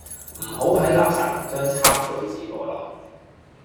唔好喺垃圾文章抄句子過來